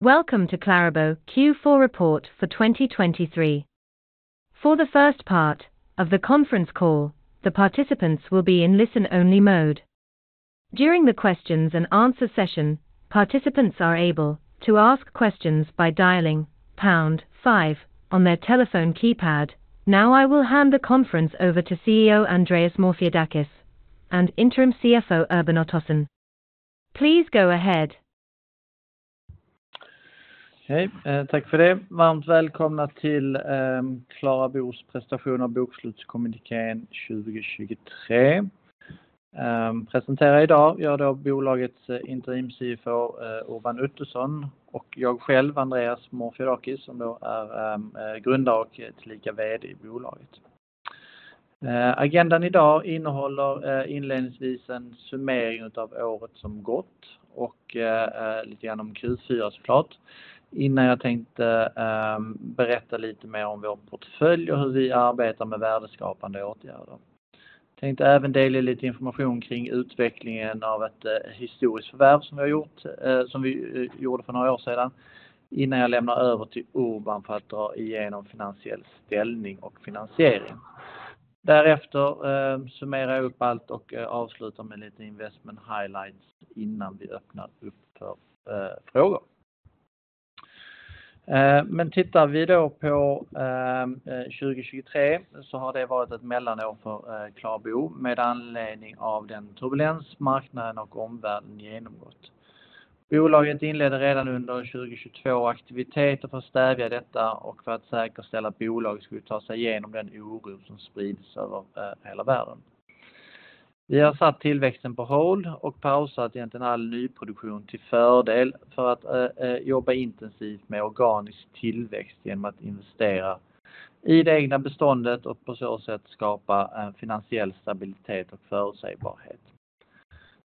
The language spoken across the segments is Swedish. Welcome to Clarabo Q4 report for 2023. For the first part of the conference call, the participants will be in listen-only mode. During the questions and answer session, participants are able to ask questions by dialing pound five on their telephone keypad. Now I will hand the conference over to CEO Andreas Morfidakis and interim CFO Urban Ottoson. Please go ahead. Hej, tack för det! Varmt välkomna till Clarabos presentation av bokslutskommunikén 2023. Presenterar idag gör då bolagets interim CFO Urban Ottosson och jag själv, Andreas Morfidakis, som då är grundare och tillika VD i bolaget. Agendan idag innehåller inledningsvis en summering av året som gått och lite grann om Q4 så klart. Innan jag tänkte berätta lite mer om vår portfölj och hur vi arbetar med värdeskapande åtgärder. Tänkte även dela lite information kring utvecklingen av ett historiskt förvärv som vi har gjort, som vi gjorde för några år sedan. Innan jag lämnar över till Urban för att dra igenom finansiell ställning och finansiering. Därefter summerar jag upp allt och avslutar med lite investment highlights innan vi öppnar upp för frågor. Men tittar vi då på 2023 så har det varit ett mellanår för Clarabo med anledning av den turbulens marknaden och omvärlden genomgått. Bolaget inledde redan under 2022 aktiviteter för att stävja detta och för att säkerställa att bolaget skulle ta sig igenom den oro som sprids över hela världen. Vi har satt tillväxten på hold och pausat egentligen all nyproduktion till fördel för att jobba intensivt med organisk tillväxt igenom att investera i det egna beståndet och på så sätt skapa en finansiell stabilitet och förutsägbarhet.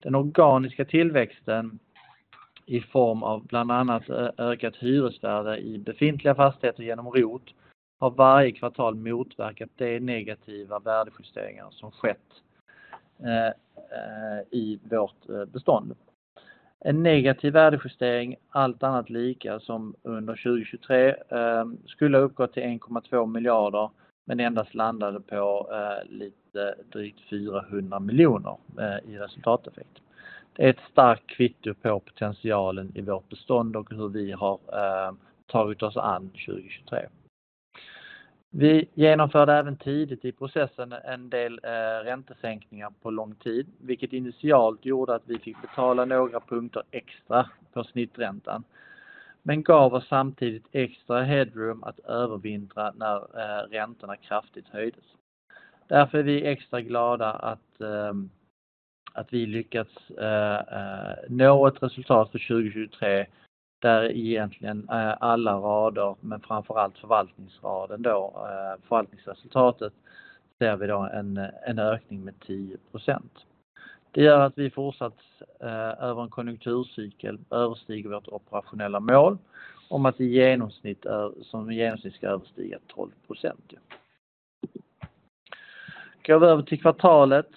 Den organiska tillväxten i form av bland annat ökat hyresvärde i befintliga fastigheter igenom ROT har varje kvartal motverkat de negativa värdejusteringar som skett i vårt bestånd. En negativ värdejustering, allt annat lika som under 2023, skulle uppgå till 1,2 miljarder, men endast landade på lite drygt 400 miljoner i resultateffekt. Det är ett starkt kvitto på potentialen i vårt bestånd och hur vi har tagit oss an 2023. Vi genomförde även tidigt i processen en del räntesänkningar på lång tid, vilket initialt gjorde att vi fick betala några punkter extra på snitträntan, men gav oss samtidigt extra headroom att övervintra när räntorna kraftigt höjdes. Därför är vi extra glada att vi lyckats nå ett resultat för 2023, där egentligen alla rader, men framför allt förvaltningsraden då, förvaltningsresultatet, ser vi en ökning med 10%. Det gör att vi fortsatt över en konjunkturcykel överstiger vårt operationella mål om att i genomsnitt ska överstiga 12%. Går vi över till kvartalet,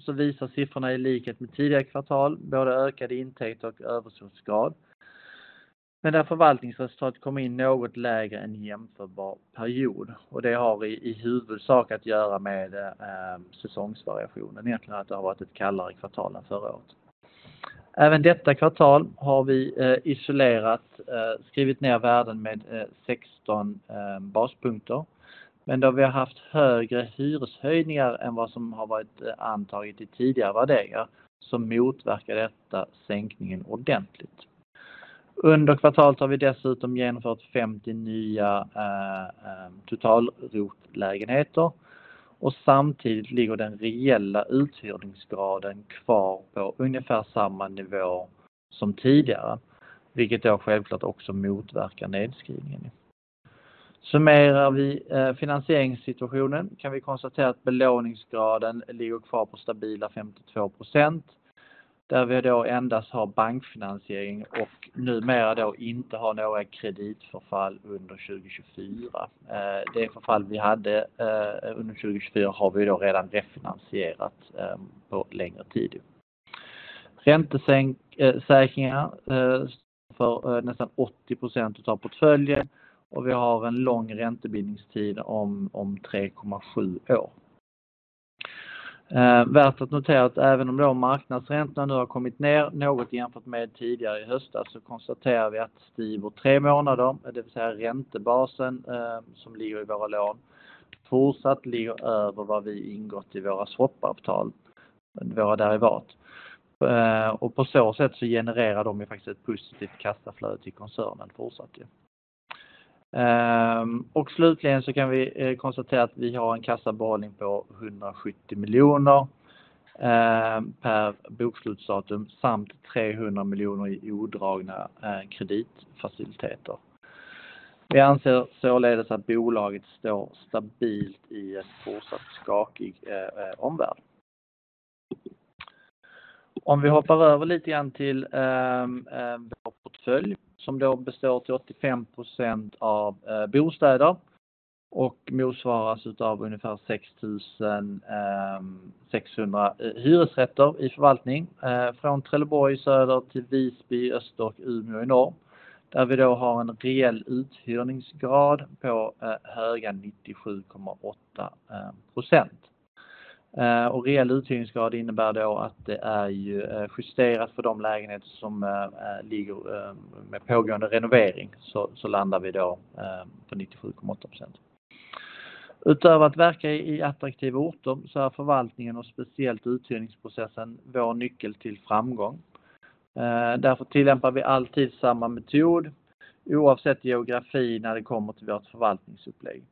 så visar siffrorna i likhet med tidigare kvartal, både ökad intäkt och överskådsgrad. Men där förvaltningsresultatet kom in något lägre än jämförbar period. Det har i huvudsak att göra med säsongsvariationen, egentligen att det har varit ett kallare kvartal än förra året. Även detta kvartal har vi isolerat, skrivit ner värden med 16 baspunkter, men då vi har haft högre hyreshöjningar än vad som har varit antaget i tidigare värderingar, så motverkar detta sänkningen ordentligt. Under kvartalet har vi dessutom genomfört 50 nya total-ROT-lägenheter och samtidigt ligger den reella uthyrningsgraden kvar på ungefär samma nivå som tidigare, vilket då självklart också motverkar nedskrivningen. Summerar vi finansieringssituationen kan vi konstatera att belåningsgraden ligger kvar på stabila 52%, där vi då endast har bankfinansiering och numera då inte har några kreditförfall under 2024. Det förfall vi hade under 2024 har vi då redan refinansierat på längre tid. Räntesäkringar för nästan 80% av portföljen och vi har en lång räntebindningstid om 3,7 år. Värt att notera att även om marknadsräntan nu har kommit ner något jämfört med tidigare i höstas, så konstaterar vi att Stibor tre månader, det vill säga räntebasen som ligger i våra lån, fortsatt ligger över vad vi ingått i våra swapavtal, våra derivat. På så sätt så genererar de faktiskt ett positivt kassaflöde till koncernen fortsatt. Slutligen så kan vi konstatera att vi har en kassabehållning på 170 miljoner per bokslutsdatum samt 300 miljoner i odragna kreditfaciliteter. Vi anser således att bolaget står stabilt i en fortsatt skakig omvärld. Om vi hoppar över lite grann till vår portfölj, som består till 85% av bostäder och motsvaras av ungefär 600 hyresrätter i förvaltning från Trelleborg i söder till Visby i öster och Umeå i norr, där vi har en reell uthyrningsgrad på höga 97,8%. Reell uthyrningsgrad innebär då att det är justerat för de lägenheter som ligger med pågående renovering. Så landar vi då på 97,8%. Utöver att verka i attraktiva orter så är förvaltningen och speciellt uthyrningsprocessen vår nyckel till framgång. Därför tillämpar vi alltid samma metod, oavsett geografi, när det kommer till vårt förvaltningsupplägg.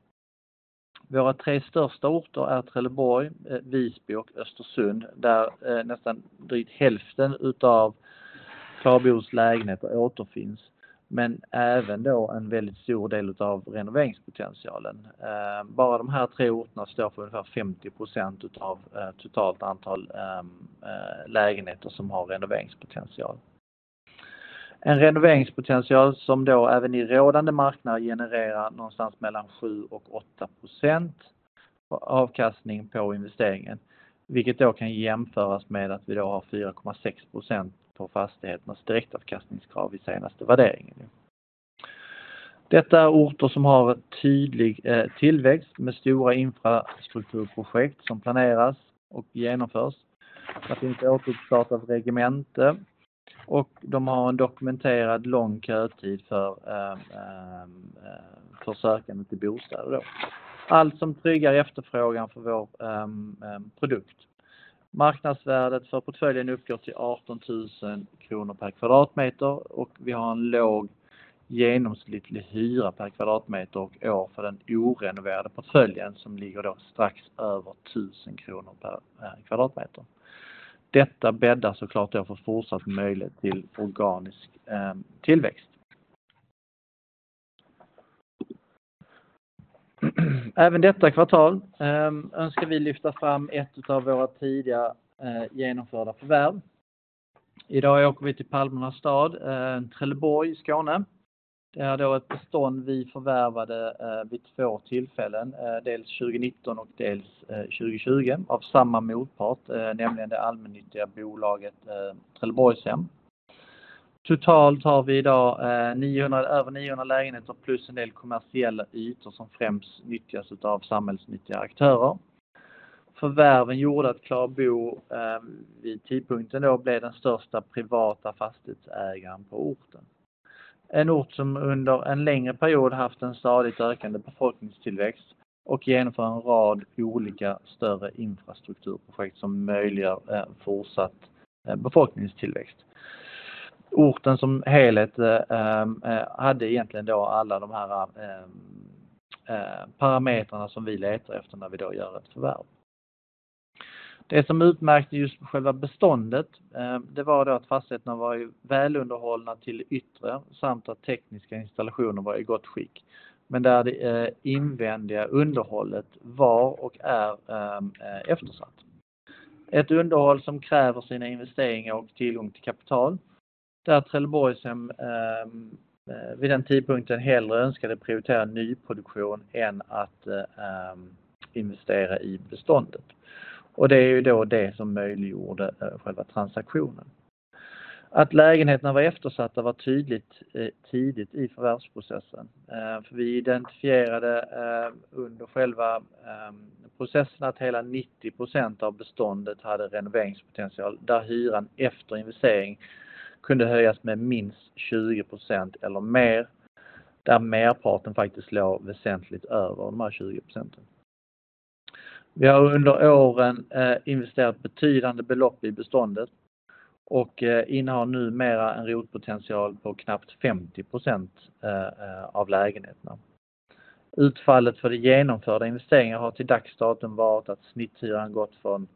Våra tre största orter är Trelleborg, Visby och Östersund, där nästan drygt hälften av Klara Bos lägenheter återfinns, men även då en väldigt stor del av renoveringspotentialen. Bara de här tre orterna står för ungefär 50% av totalt antal lägenheter som har renoveringspotential. En renoveringspotential som även i rådande marknad genererar någonstans mellan 7% och 8% avkastning på investeringen, vilket då kan jämföras med att vi har 4,6% på fastigheternas direktavkastningskrav i senaste värderingen. Detta är orter som har en tydlig tillväxt med stora infrastrukturprojekt som planeras och genomförs. Det finns ett återuppstartat regemente och de har en dokumenterad lång kötid för sökande till bostäder då. Allt som tryggar efterfrågan för vår produkt. Marknadsvärdet för portföljen uppgår till 18 000 kronor per kvadratmeter och vi har en låg genomsnittlig hyra per kvadratmeter och år för den orenoverade portföljen, som ligger då strax över 1 000 kronor per kvadratmeter. Detta bäddar så klart då för fortsatt möjlighet till organisk tillväxt. Även detta kvartal önskar vi lyfta fram ett utav våra tidiga genomförda förvärv. Idag åker vi till Palmerna stad, Trelleborg, Skåne. Det är då ett bestånd vi förvärvade vid två tillfällen, dels 2019 och dels 2020, av samma motpart, nämligen det allmännyttiga bolaget Trelleborgshem. Totalt har vi idag över niohundra lägenheter plus en del kommersiella ytor som främst nyttjas av samhällsnyttiga aktörer. Förvärven gjorde att Klara Bo vid tidpunkten blev den största privata fastighetsägaren på orten. En ort som under en längre period haft en stadigt ökande befolkningstillväxt och genomför en rad olika större infrastrukturprojekt som möjliggör en fortsatt befolkningstillväxt. Orten som helhet hade egentligen alla de parametrar som vi letar efter när vi gör ett förvärv. Det som utmärkte just själva beståndet var att fastigheterna var välunderhållna till det yttre samt att tekniska installationer var i gott skick, men där det invändiga underhållet var och är eftersatt. Ett underhåll som kräver sina investeringar och tillgång till kapital, där Trelleborgshem vid den tidpunkten hellre önskade prioritera nyproduktion än att investera i beståndet. Det är ju då det som möjliggjorde själva transaktionen. Att lägenheterna var eftersatta var tydligt tidigt i förvärvsprocessen, för vi identifierade under själva processen att hela 90% av beståndet hade renoveringspotential, där hyran efter investering kunde höjas med minst 20% eller mer, där merparten faktiskt låg väsentligt över de här 20%. Vi har under åren investerat betydande belopp i beståndet och innehar numera en rotpotential på knappt 50% av lägenheterna. Utfallet för det genomförda investeringar har till dags datum varit att snitthyran gått från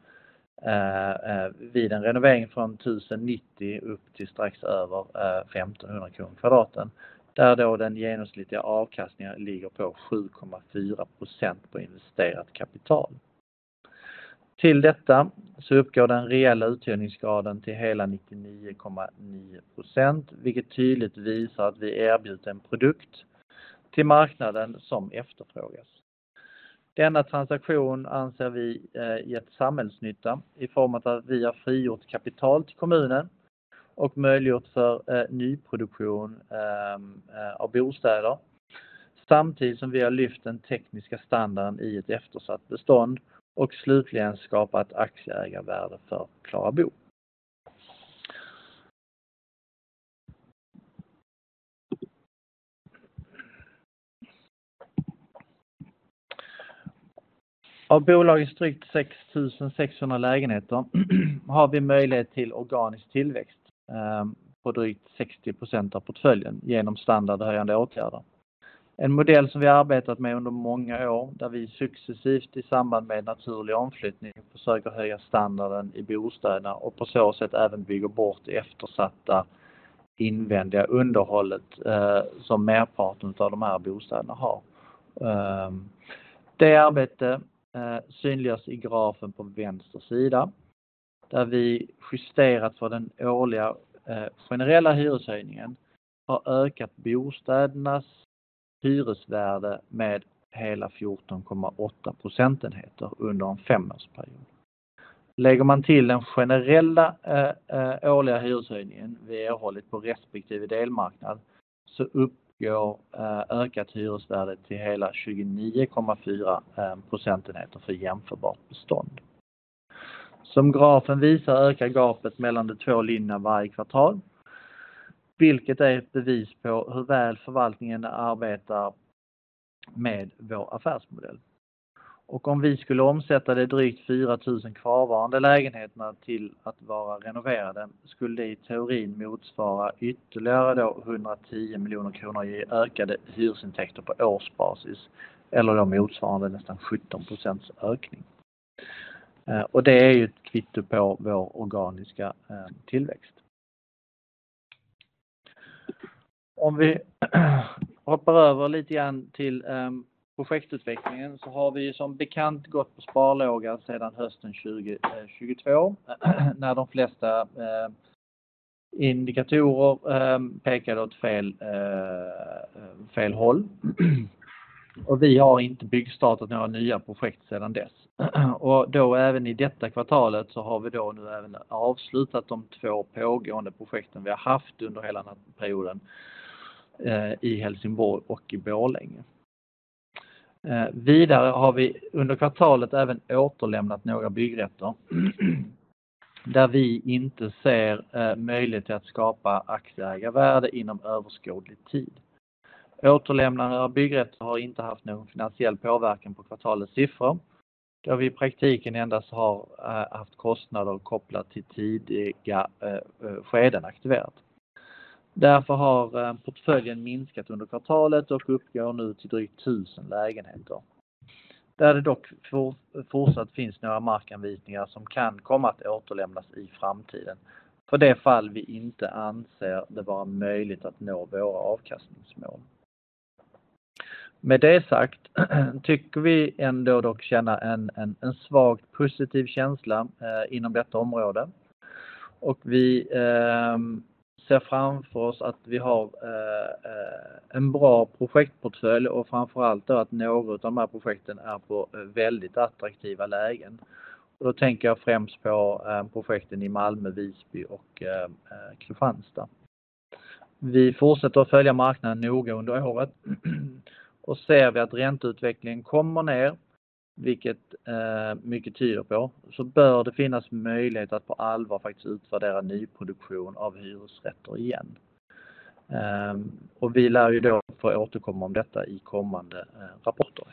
vid en renovering från 1090 kr upp till strax över 1500 kr per kvadratmeter, där då den genomsnittliga avkastningen ligger på 7,4% på investerat kapital. Till detta så uppgår den reella uthyrningsgraden till hela 99,9%, vilket tydligt visar att vi erbjuder en produkt till marknaden som efterfrågas. Denna transaktion anser vi gett samhällsnytta i form av att vi har frigjort kapital till kommunen och möjliggjort för nyproduktion av bostäder, samtidigt som vi har lyft den tekniska standarden i ett eftersatt bestånd och slutligen skapat aktieägarvärde för Klara Bo. Av bolagets drygt 6,600 lägenheter har vi möjlighet till organisk tillväxt på drygt 60% av portföljen igenom standardhöjande åtgärder. En modell som vi arbetat med under många år, där vi successivt i samband med naturlig omflyttning försöker höja standarden i bostäderna och på så sätt även bygger bort det eftersatta invändiga underhållet som merparten av de här bostäderna har. Det arbetet synliggörs i grafen på vänster sida, där vi justerat för den årliga generella hyreshöjningen har ökat bostädernas hyresvärde med hela 14,8 procentenheter under en femårsperiod. Lägger man till den generella årliga hyreshöjningen vi erhållit på respektive delmarknad, så uppgår ökat hyresvärde till hela 29,4% för jämförbart bestånd. Som grafen visar ökar gapet mellan de två linjerna varje kvartal, vilket är ett bevis på hur väl förvaltningen arbetar med vår affärsmodell. Om vi skulle omsätta de drygt 4 000 kvarvarande lägenheterna till att vara renoverade, skulle det i teorin motsvara ytterligare 110 miljoner kronor i ökade hyresintäkter på årsbasis, eller motsvarande nästan 17% ökning. Det är ju ett kvitto på vår organiska tillväxt. Om vi hoppar över lite grann till projektutvecklingen så har vi som bekant gått på sparlåga sedan hösten 2022. När de flesta indikatorer pekade åt fel håll. Vi har inte byggstartat några nya projekt sedan dess. Och då även i detta kvartal så har vi då nu även avslutat de två pågående projekten vi har haft under hela den här perioden i Helsingborg och i Borlänge. Vidare har vi under kvartalet även återlämnat några byggrätter, där vi inte ser möjlighet till att skapa aktieägarvärde inom överskådlig tid. Återlämnande av byggrätter har inte haft någon finansiell påverkan på kvartalets siffror, då vi i praktiken endast har haft kostnader kopplat till tidiga skeden aktiverat. Därför har portföljen minskat under kvartalet och uppgår nu till drygt tusen lägenheter, där det dock fortsatt finns några markanvisningar som kan komma att återlämnas i framtiden för det fall vi inte anser det vara möjligt att nå våra avkastningsmål. Med det sagt, tycker vi ändå dock känna en svagt positiv känsla inom detta område. Vi ser framför oss att vi har en bra projektportfölj och framför allt att några av de här projekten är på väldigt attraktiva lägen. Då tänker jag främst på projekten i Malmö, Visby och Kristianstad. Vi fortsätter att följa marknaden noga under året. Ser vi att ränteutvecklingen kommer ner, vilket mycket tyder på, så bör det finnas möjlighet att på allvar faktiskt utvärdera nyproduktion av hyresrätter igen. Vi lär ju då få återkomma om detta i kommande rapporter.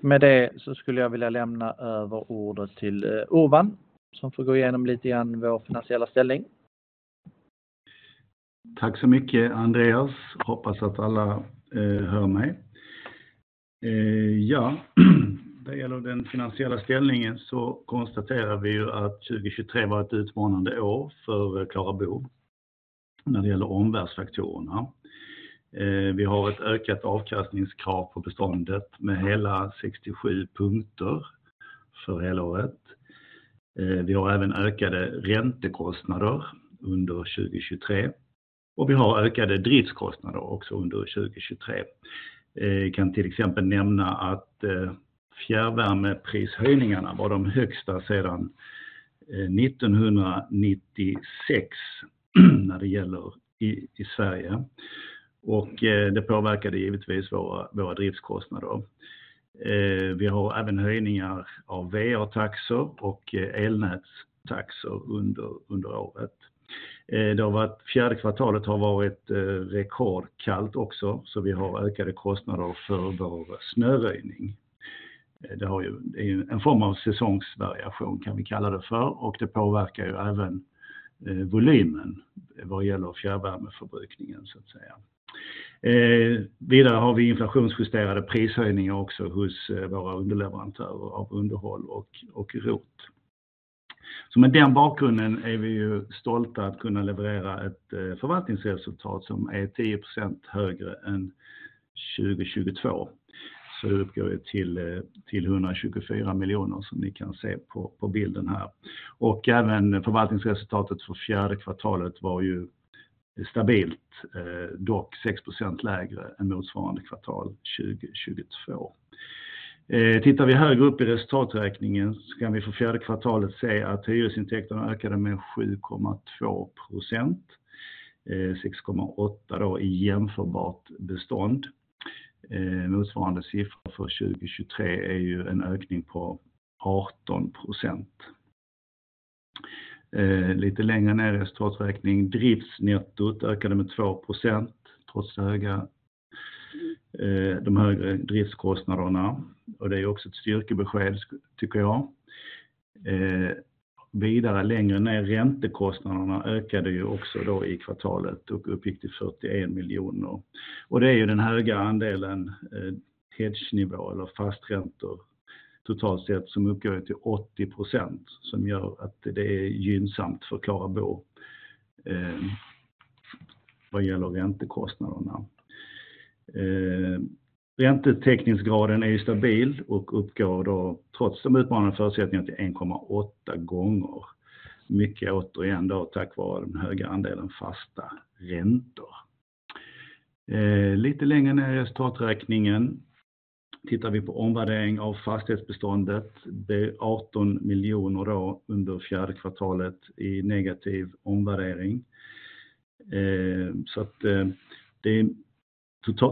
Med det så skulle jag vilja lämna över ordet till Urban, som får gå igenom lite grann vår finansiella ställning. Tack så mycket, Andreas. Hoppas att alla hör mig. Ja, när det gäller den finansiella ställningen så konstaterar vi att 2023 var ett utmanande år för Klara Bo, när det gäller omvärldsfaktorerna. Vi har ett ökat avkastningskrav på beståndet med hela 67 punkter för helåret. Vi har även ökade räntekostnader under 2023 och vi har ökade driftskostnader också under 2023. Kan till exempel nämna att fjärrvärmeprishöjningarna var de högsta sedan 1996, när det gäller i Sverige. Och det påverkade givetvis våra driftskostnader. Vi har även höjningar av VA-taxor och elnätstaxor under året. Det har varit, fjärde kvartalet har varit rekordkallt också, så vi har ökade kostnader för vår snöröjning. Det har, det är en form av säsongsvariation kan vi kalla det för, och det påverkar även volymen vad det gäller fjärrvärmeförbrukningen så att säga. Vidare har vi inflationsjusterade prishöjningar också hos våra underleverantörer av underhåll och rot. Så med den bakgrunden är vi stolta att kunna leverera ett förvaltningsresultat som är 10% högre än 2022. Så uppgår det till 124 miljoner, som ni kan se på bilden här. Även förvaltningsresultatet för fjärde kvartalet var stabilt, dock 6% lägre än motsvarande kvartal 2022. Tittar vi högre upp i resultaträkningen så kan vi för fjärde kvartalet se att hyresintäkterna ökade med 7,2%, 6,8% då i jämförbart bestånd. Motsvarande siffra för 2023 är en ökning på 18%. Lite längre ner i resultaträkning, driftsnettot ökade med 2%, trots de högre driftskostnaderna. Det är också ett styrkebesked, tycker jag. Vidare längre ner, räntekostnaderna ökade också då i kvartalet och uppgick till 41 miljoner. Och det är ju den höga andelen hedgenivå eller fasträntor totalt sett, som uppgår till 80%, som gör att det är gynnsamt för Klara Bo vad gäller räntekostnaderna. Räntetäckningsgraden är ju stabil och uppgår då trots de utmanande förutsättningarna till 1,8 gånger. Mycket återigen då tack vare den höga andelen fasta räntor. Lite längre ner i resultaträkningen tittar vi på omvärdering av fastighetsbeståndet. Det är 18 miljoner då under fjärde kvartalet i negativ omvärdering. Så att det, totalt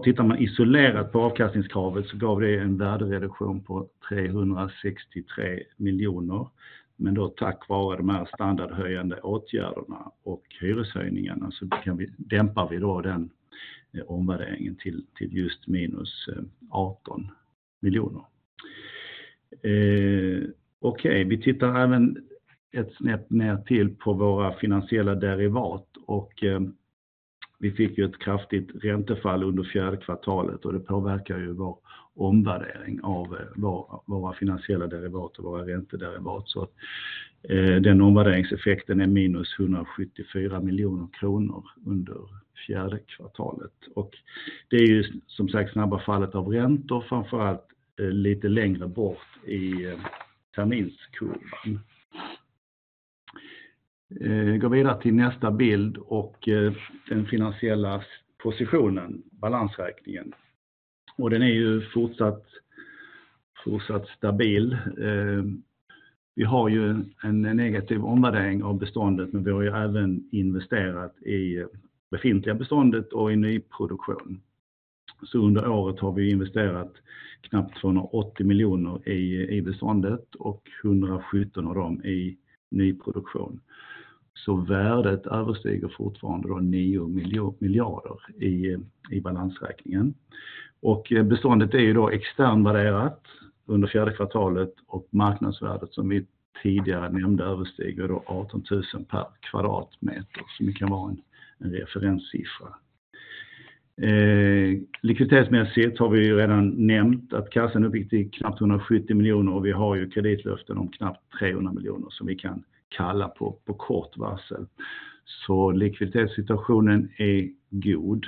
tittar man isolerat på avkastningskravet så gav det en värdereduktion på 363 miljoner. Men då tack vare de här standardhöjande åtgärderna och hyreshöjningarna, så kan vi dämpa den omvärderingen till just minus 18 miljoner. Okej, vi tittar även ett snett ner till på våra finansiella derivat och vi fick ju ett kraftigt räntefall under fjärde kvartalet och det påverkar ju vår omvärdering av våra finansiella derivat och våra räntederivat. Så att den omvärderingseffekten är minus 174 miljoner kronor under fjärde kvartalet. Och det är ju som sagt, snabba fallet av räntor, framför allt lite längre bort i terminskurvan. Går vidare till nästa bild och den finansiella positionen, balansräkningen. Och den är ju fortsatt stabil. Vi har ju en negativ omvärdering av beståndet, men vi har ju även investerat i befintliga beståndet och i nyproduktion. Så under året har vi investerat knappt 280 miljoner i beståndet och 117 av dem i nyproduktion. Så värdet överstiger fortfarande då 9 miljarder i balansräkningen. Och beståndet är ju då externvärderat under fjärde kvartalet och marknadsvärdet, som vi tidigare nämnde, överstiger då 18,000 kr per kvadratmeter, som kan vara en referenssiffra. Likviditetsmässigt har vi ju redan nämnt att kassan uppgick till knappt 170 miljoner kr och vi har ju kreditlöften om knappt 300 miljoner kr som vi kan kalla på, på kort varsel. Så likviditetssituationen är god.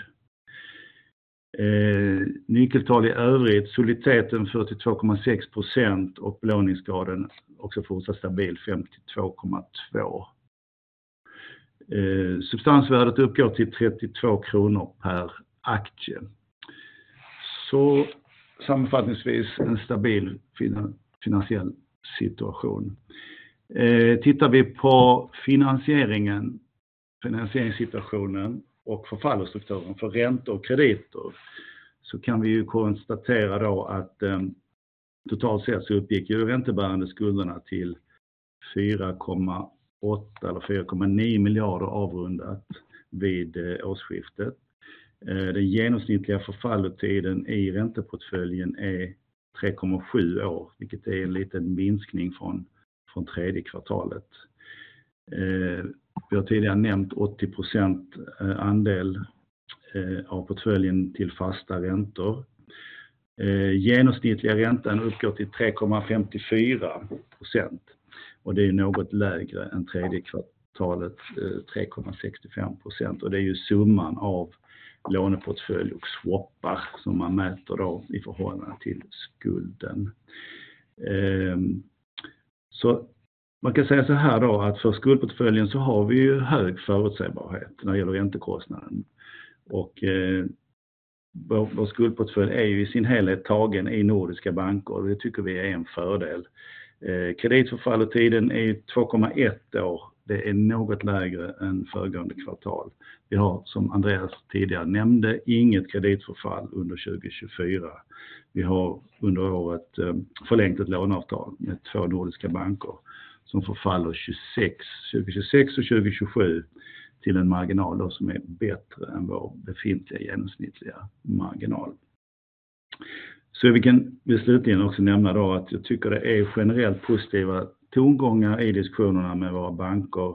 Nyckeltal i övrigt, soliditeten 42,6% och belåningsgraden också fortsatt stabil, 52,2%. Substansvärdet uppgår till 32 kr per aktie. Så sammanfattningsvis, en stabil finansiell situation. Tittar vi på finansieringen, finansieringssituationen och förfallostrukturen för räntor och krediter, så kan vi ju konstatera då att totalt sett så uppgick ju räntebärande skulderna till 4,8 eller 4,9 miljarder kr avrundat vid årsskiftet. Den genomsnittliga förfallotiden i ränteportföljen är 3,7 år, vilket är en liten minskning från tredje kvartalet. Vi har tidigare nämnt 80% andel av portföljen till fasta räntor. Genomsnittliga räntan uppgår till 3,54% och det är något lägre än tredje kvartalets 3,65%. Det är summan av låneportfölj och swapar som man mäter i förhållande till skulden. Man kan säga såhär då, att för skuldportföljen så har vi hög förutsägbarhet när det gäller räntekostnaden. Vår skuldportfölj är i sin helhet tagen i Nordiska banken och det tycker vi är en fördel. Kreditförfallotiden är 2,1 år. Det är något lägre än föregående kvartal. Vi har, som Andreas tidigare nämnde, inget kreditförfall under 2024. Vi har under året förlängt ett låneavtal med två Nordiska banker som förfaller 2026 och 2027, till en marginal då som är bättre än vår befintliga genomsnittliga marginal. Vi kan slutligen också nämna att jag tycker det är generellt positiva tongångar i diskussionerna med våra banker.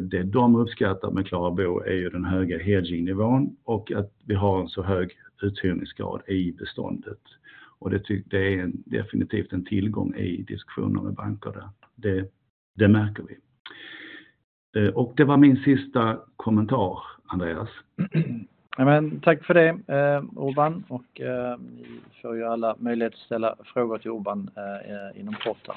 Det de uppskattar med Klara Bo är ju den höga hedgingnivån och att vi har en så hög uthyrningsgrad i beståndet. Det är definitivt en tillgång i diskussioner med bankerna. Det märker vi. Det var min sista kommentar, Andreas. Ja, men tack för det, Urban, och ni får ju alla möjlighet att ställa frågor till Urban inom kort då.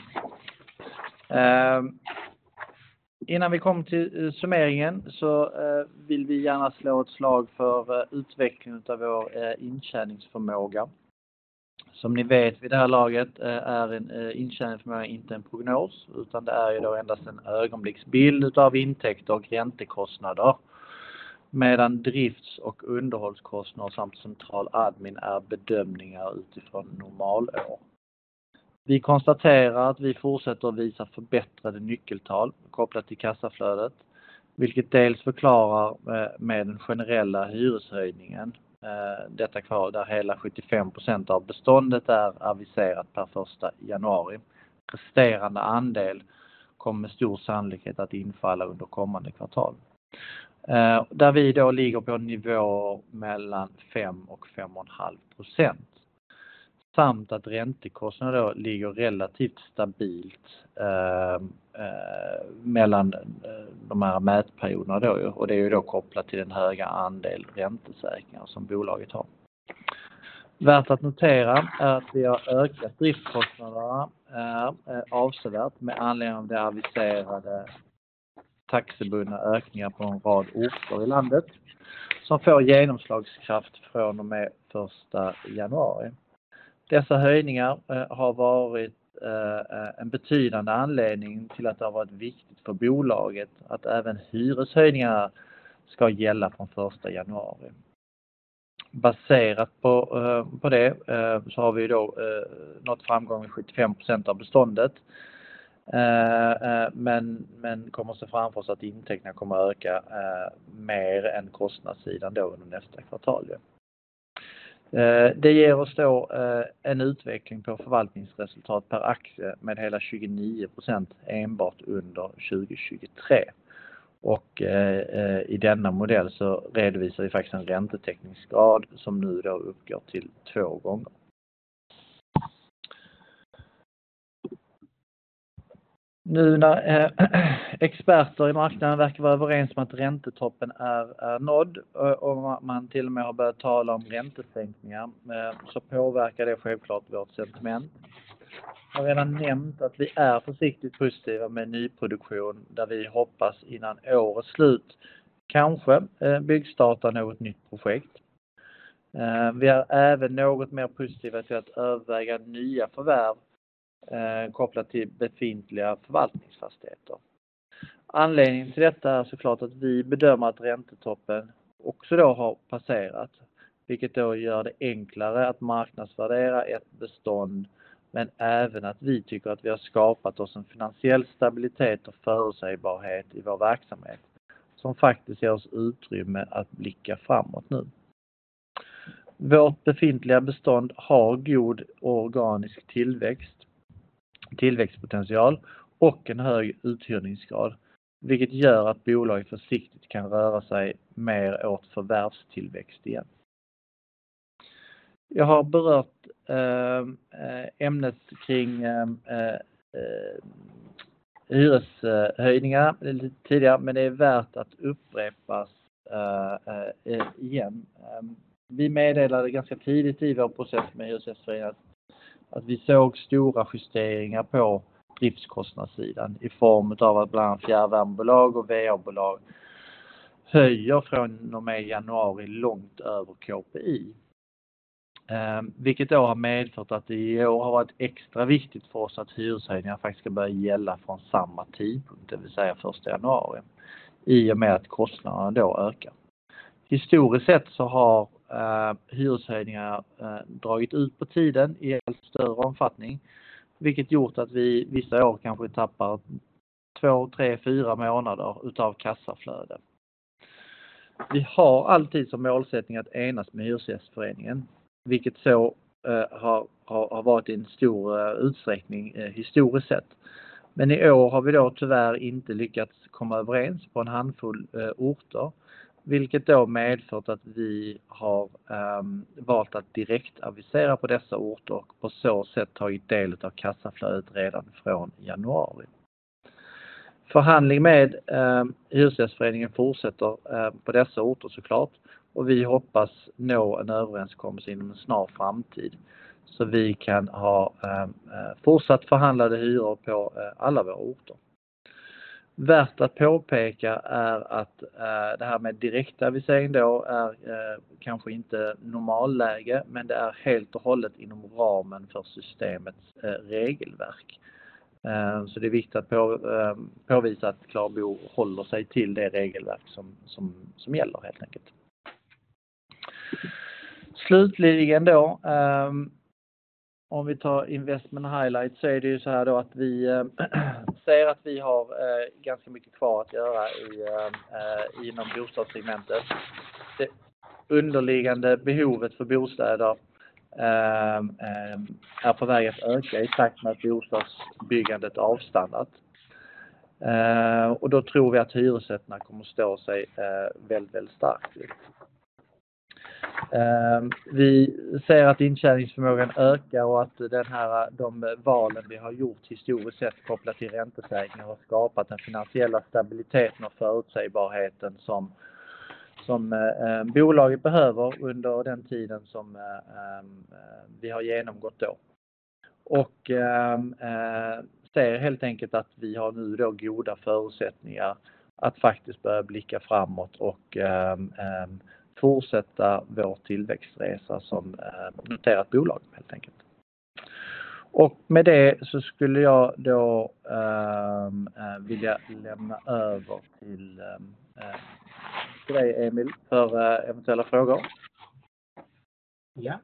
Innan vi kommer till summeringen så vill vi gärna slå ett slag för utvecklingen av vår intjäningsförmåga. Som ni vet vid det här laget är en intjäningsförmåga inte en prognos, utan det är då endast en ögonblicksbild av intäkter och räntekostnader, medan drifts- och underhållskostnader samt central admin är bedömningar utifrån normalår. Vi konstaterar att vi fortsätter att visa förbättrade nyckeltal kopplat till kassaflödet, vilket dels förklaras med den generella hyreshöjningen. Detta kvartal, där hela 75% av beståndet är aviserat per första januari. Resterande andel kommer med stor sannolikhet att infalla under kommande kvartal, där vi då ligger på nivå mellan 5% och 5,5%, samt att räntekostnaderna då ligger relativt stabilt mellan de här mätperioderna då. Och det är då kopplat till den höga andel räntesäkringar som bolaget har. Värt att notera är att vi har ökat driftskostnaderna avsevärt med anledning av det aviserade taxibundna ökningar på en rad orter i landet, som får genomslagskraft från och med första januari. Dessa höjningar har varit en betydande anledning till att det har varit viktigt för bolaget att även hyreshöjningarna ska gälla från första januari. Baserat på det så har vi då nått framgång i 75% av beståndet. Men kommer se framför oss att intäkterna kommer öka mer än kostnadssidan då under nästa kvartal. Det ger oss då en utveckling på förvaltningsresultat per aktie med hela 29% enbart under 2023. Och i denna modell så redovisar vi faktiskt en räntetäckningsgrad som nu då uppgår till två gånger. Nu när experter i marknaden verkar vara överens om att räntetoppen är nådd och man till och med har börjat tala om räntesänkningar, så påverkar det självklart vårt sentiment. Jag har redan nämnt att vi är försiktigt positiva med nyproduktion, där vi hoppas innan årets slut, kanske byggstarta något nytt projekt. Vi är även något mer positiva till att överväga nya förvärv kopplat till befintliga förvaltningsfastigheter. Anledningen till detta är så klart att vi bedömer att räntetoppen också då har passerat, vilket då gör det enklare att marknadsvärdera ett bestånd, men även att vi tycker att vi har skapat oss en finansiell stabilitet och förutsägbarhet i vår verksamhet, som faktiskt ger oss utrymme att blicka framåt nu. Vårt befintliga bestånd har god organisk tillväxt, tillväxtpotential och en hög uthyrningsgrad, vilket gör att bolaget försiktigt kan röra sig mer åt förvärvstillväxt igen. Jag har berört ämnet kring hyreshöjningar lite tidigare, men det är värt att upprepas igen. Vi meddelade ganska tidigt i vår process med Hyresgästföreningen att vi såg stora justeringar på driftskostnadssidan i form av att bland annat fjärrvärmebolag och VA-bolag höjer från och med januari långt över KPI. Vilket då har medfört att det i år har varit extra viktigt för oss att hyreshöjningar faktiskt ska börja gälla från samma tidpunkt, det vill säga första januari, i och med att kostnaderna då ökar. Historiskt sett så har hyreshöjningar dragit ut på tiden i större omfattning, vilket gjort att vi vissa år kanske tappar två, tre, fyra månader av kassaflöde. Vi har alltid som målsättning att enas med Hyresgästföreningen, vilket så har varit i en stor utsträckning historiskt sett. Men i år har vi då tyvärr inte lyckats komma överens på en handfull orter, vilket då medfört att vi har valt att direktavisera på dessa orter och på så sätt tagit del utav kassaflödet redan från januari. Förhandling med Hyresgästföreningen fortsätter på dessa orter så klart, och vi hoppas nå en överenskommelse inom en snar framtid, så vi kan ha fortsatt förhandlade hyror på alla våra orter. Värt att påpeka är att det här med direktavisering då är kanske inte normalläge, men det är helt och hållet inom ramen för systemets regelverk. Så det är viktigt att påvisa att Clarbo håller sig till det regelverk som gäller helt enkelt. Slutligen då, om vi tar investment highlights, så är det ju såhär då att vi säger att vi har ganska mycket kvar att göra inom bostadssegmentet. Det underliggande behovet för bostäder är på väg att öka i takt med att bostadsbyggandet avstannat. Och då tror vi att hyressättningar kommer att stå sig väldigt, väldigt starkt. Vi ser att intjäningsförmågan ökar och att de val vi har gjort historiskt sett kopplat till räntesäkring har skapat den finansiella stabiliteten och förutsägbarheten som bolaget behöver under den tiden som vi har genomgått då. Och ser helt enkelt att vi har nu då goda förutsättningar att faktiskt börja blicka framåt och fortsätta vår tillväxtresa som noterat bolag, helt enkelt. Och med det så skulle jag då vilja lämna över till dig, Emil, för eventuella frågor. Ja,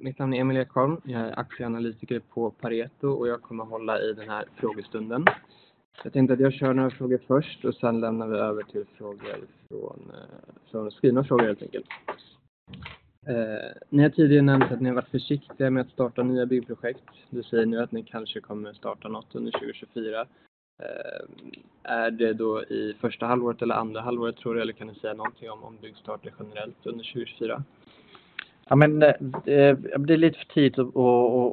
mitt namn är Emil Ekholm. Jag är aktieanalytiker på Pareto och jag kommer att hålla i den här frågestunden. Jag tänkte att jag kör några frågor först och sen lämnar vi över till frågor från skrivna frågor helt enkelt. Ni har tidigare nämnt att ni har varit försiktiga med att starta nya byggprojekt. Du säger nu att ni kanske kommer starta något under 2024. Är det då i första halvåret eller andra halvåret tror du? Eller kan du säga någonting om byggstarter generellt under 2024? Ja, men det är lite för tidigt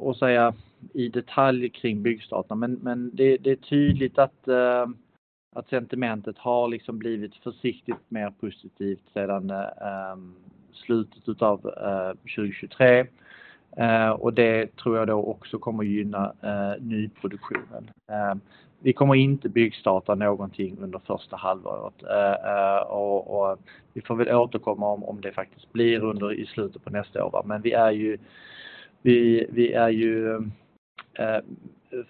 att säga i detalj kring byggstarten. Men det är tydligt att sentimentet har blivit försiktigt mer positivt sedan slutet av 2023. Och det tror jag också kommer att gynna nyproduktionen. Vi kommer inte byggstarta någonting under första halvåret. Och vi får väl återkomma om det faktiskt blir under slutet på nästa år. Men vi är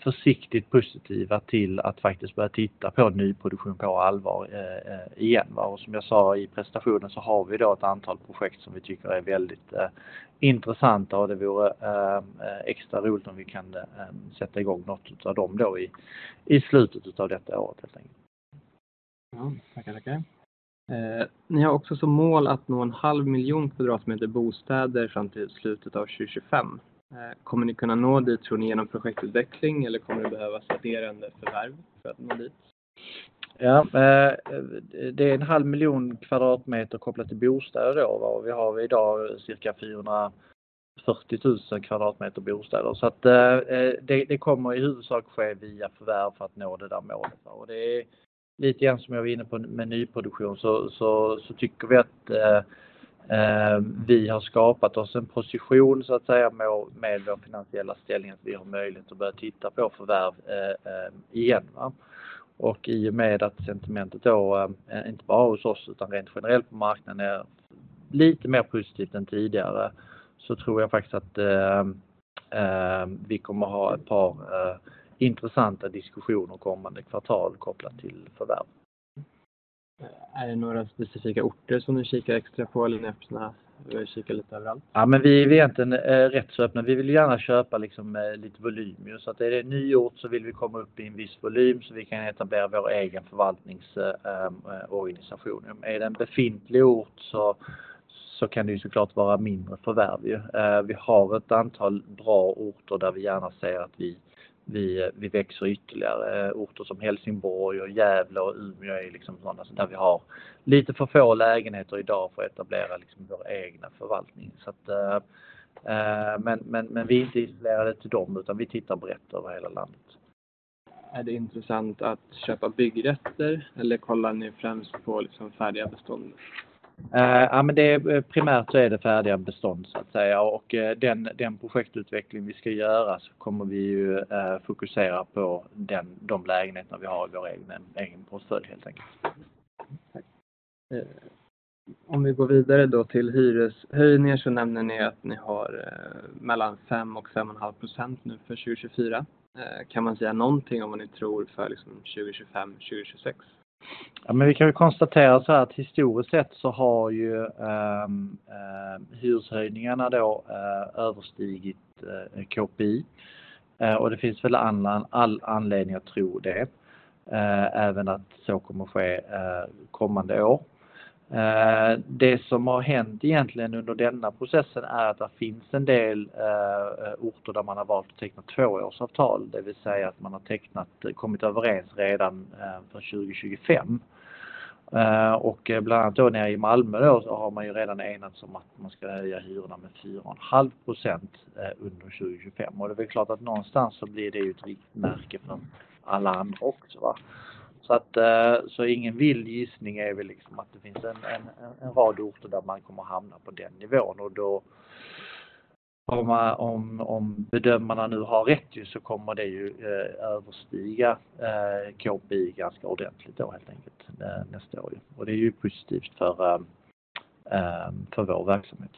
försiktigt positiva till att faktiskt börja titta på nyproduktion på allvar igen. Och som jag sa i presentationen så har vi ett antal projekt som vi tycker är väldigt intressanta och det vore extra roligt om vi kan sätta igång något av dem i slutet av detta året, helt enkelt. Ja, tack, tack! Eh, ni har också som mål att nå en halv miljon kvadratmeter bostäder fram till slutet av 2025. Kommer ni kunna nå dit tror ni, genom projektutveckling eller kommer det behövas ett större förvärv för att nå dit? Ja, det är en halv miljon kvadratmeter kopplat till bostäder då. Och vi har idag cirka fyrahundraförtiotusen kvadratmeter bostäder. Så det kommer i huvudsak ske via förvärv för att nå det där målet. Och det är lite grann som jag var inne på med nyproduktion, så vi tycker att vi har skapat oss en position, så att säga, med vår finansiella ställning, att vi har möjlighet att börja titta på förvärv igen. Och i och med att sentimentet då, inte bara hos oss, utan rent generellt på marknaden, är lite mer positivt än tidigare, så tror jag faktiskt att vi kommer att ha ett par intressanta diskussioner kommande kvartal kopplat till förvärv. Är det några specifika orter som ni kikar extra på eller är ni öppna och kikar lite överallt? Ja, men vi är egentligen rätt så öppna. Vi vill gärna köpa lite volym. Så är det en ny ort så vill vi komma upp i en viss volym så vi kan etablera vår egen förvaltningsorganisation. Är det en befintlig ort så kan det så klart vara mindre förvärv. Vi har ett antal bra orter där vi gärna ser att vi växer ytterligare. Orter som Helsingborg och Gävle och Umeå är liksom sådana där vi har lite för få lägenheter i dag för att etablera vår egna förvaltning. Men vi är inte isolerade till dem, utan vi tittar brett över hela landet. Är det intressant att köpa byggrätter eller kollar ni främst på färdiga bestånd? Eh, ja, men det är primärt så är det färdiga bestånd, så att säga, och den projektutveckling vi ska göra så kommer vi ju fokusera på de lägenheter vi har i vår egen portfölj, helt enkelt. Om vi går vidare då till hyreshöjningar så nämner ni att ni har mellan 5% och 5,5% nu för 2024. Kan man säga någonting om vad ni tror för 2025, 2026? Ja, men vi kan väl konstatera såhär att historiskt sett så har ju hyreshöjningarna då överstigit KPI. Och det finns väl all anledning att tro att så kommer ske kommande år. Det som har hänt egentligen under denna processen är att det finns en del orter där man har valt att teckna tvåårsavtal. Det vill säga att man har tecknat, kommit överens redan för 2025. Och bland annat då nere i Malmö så har man ju redan enats om att man ska höja hyrorna med 4,5% under 2025. Och det är väl klart att någonstans så blir det ett riktmärke för alla andra också. Så att ingen vild gissning är väl att det finns en rad orter där man kommer att hamna på den nivån. Och då, om bedömarna nu har rätt, så kommer det ju överstiga KPI ganska ordentligt då, helt enkelt, nästa år. Och det är ju positivt för vår verksamhet.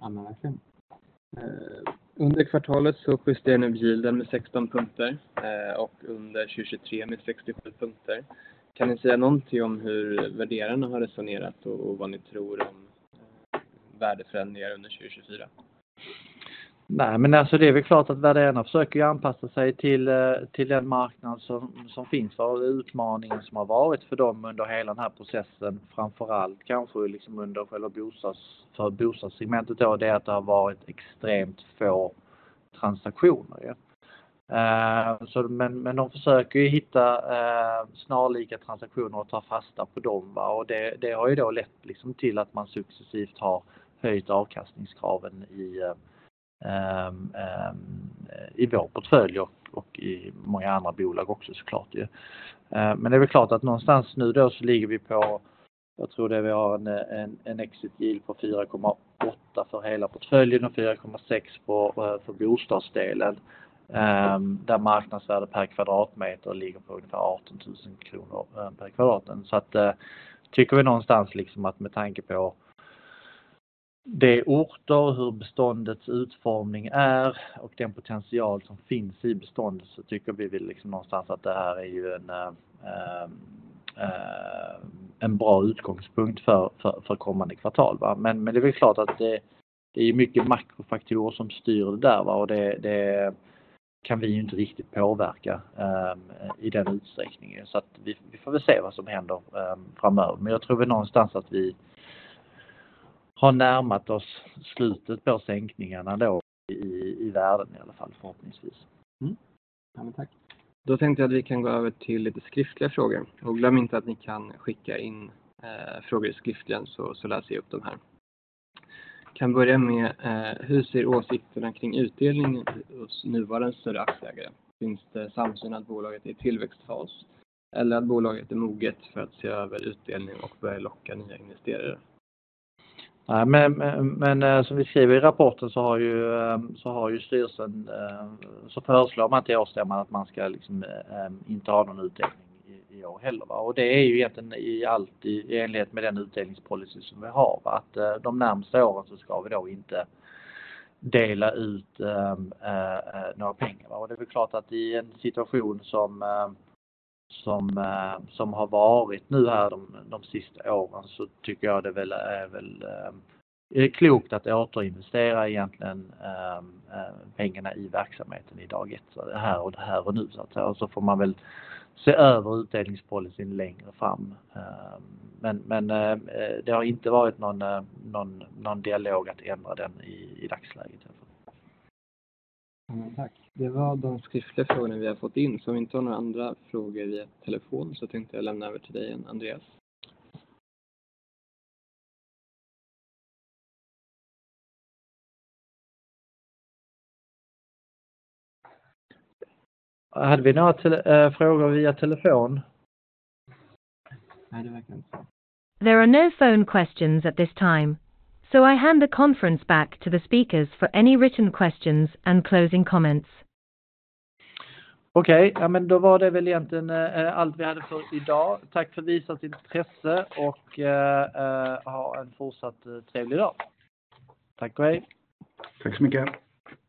Ja, men verkligen. Under kvartalet så justerade ni yielden med sexton punkter och under 2023 med sextiofyra punkter. Kan ni säga någonting om hur värderarna har resonerat och vad ni tror om värdeförändringar under 2024? Nej, men alltså, det är väl klart att värderarna försöker anpassa sig till den marknad som finns och utmaningen som har varit för dem under hela den här processen, framför allt kanske under själva bostadssegmentet, är att det har varit extremt få transaktioner. Men de försöker hitta snarlika transaktioner och ta fasta på dem. Och det har ju då lett till att man successivt har höjt avkastningskraven i vår portfölj och i många andra bolag också så klart. Men det är väl klart att någonstans nu så ligger vi på... Jag tror det, vi har en exit yield på 4,8% för hela portföljen och 4,6% för bostadsdelen, där marknadsvärde per kvadratmeter ligger på ungefär 18 000 kronor per kvadrat. Så att det tycker vi någonstans, att med tanke på de orter, hur beståndets utformning är och den potential som finns i beståndet, så tycker vi väl någonstans att det här är ju en bra utgångspunkt för kommande kvartal. Men det är väl klart att det är mycket makrofaktorer som styr det där, och det kan vi inte riktigt påverka i den utsträckningen. Så att vi får väl se vad som händer framöver. Men jag tror väl någonstans att vi har närmat oss slutet på sänkningarna då i världen i alla fall, förhoppningsvis. Mm. Ja, men tack! Då tänkte jag att vi kan gå över till lite skriftliga frågor. Glöm inte att ni kan skicka in frågor skriftligen så läser jag upp de här. Kan börja med: hur ser åsikterna kring utdelningen hos nuvarande större aktieägare? Finns det samsyn att bolaget är i tillväxtfas eller att bolaget är moget för att se över utdelning och börja locka nya investerare? Nej, men som vi skriver i rapporten så har ju styrelsen, så föreslår man till årsstämman att man ska inte ha någon utdelning i år heller. Och det är ju egentligen allt i enlighet med den utdelningspolicy som vi har. Att de närmaste åren så ska vi då inte dela ut några pengar. Och det är väl klart att i en situation som har varit nu här de sista åren, så tycker jag det är klokt att återinvestera egentligen pengarna i verksamheten idag, här och nu så att säga. Och så får man väl se över utdelningspolicyn längre fram. Men det har inte varit någon dialog att ändra den i dagsläget i alla fall. Tack! Det var de skriftliga frågorna vi har fått in. Så om vi inte har några andra frågor via telefon så tänkte jag lämna över till dig igen, Andreas. Hade vi några frågor via telefon? Nej, det verkar inte. There are no phone questions at this time, so I hand the conference back to the speakers for any written questions and closing comments. Okej, ja men då var det väl egentligen allt vi hade för idag. Tack för visat intresse och ha en fortsatt trevlig dag. Tack och hej! Tack så mycket.